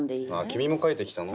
君も書いてきたの？